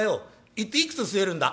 一体いくつ据えるんだ？』。